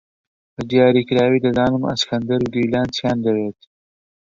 بەدیاریکراوی دەزانم ئەسکەندەر و دیلان چییان دەوێت.